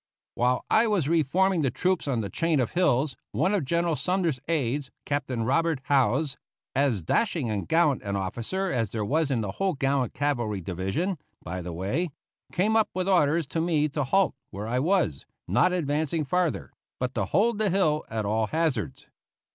While I was re forming the troops on the chain of hills, one of General Sumner's aides, Captain Robert Howze as dashing and gallant an officer as there was in the whole gallant cavalry division, by the way came up with orders to me to halt where I was, not advancing farther, but to hold the hill at all hazards.